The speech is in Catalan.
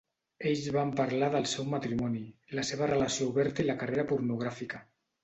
Ells van parlar del seu matrimoni, la seva relació oberta i la carrera pornogràfica.